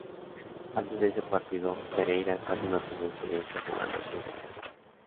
Antes de ese partido, Pereyra casi no tenía experiencia jugando en ese puesto.